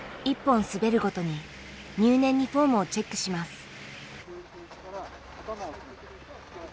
一本滑るごとに入念にフォームをチェックします。